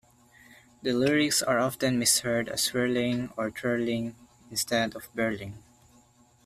The lyrics are often misheard as "whirling" or "twirling" instead of "birling".